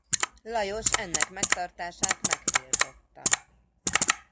Lajos ennek megtartását megtiltotta.